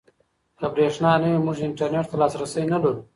که برېښنا نه وي موږ انټرنيټ ته لاسرسی نلرو.